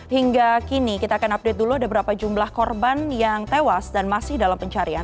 hingga kini kita akan update dulu ada berapa jumlah korban yang tewas dan masih dalam pencarian